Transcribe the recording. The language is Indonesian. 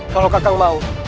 kalau kakak mau